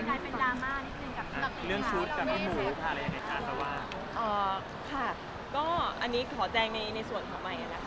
แต่รักจากที่หลายคนเขียนกัน